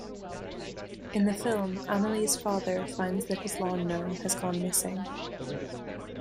In the film, Amelie's father finds that his lawn gnome has gone missing.